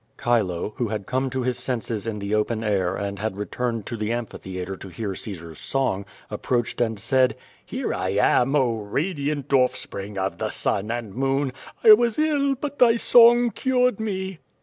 '' 'Chilo, who had come to his senses in the open air, and had returned to the amphitheatre to hear Caesar's song, ap proached and said: Here I am, oh, radiant offspring of the sun and moon, I was ill, but thy song cured me.'"